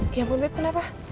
ya ampun ibu kenapa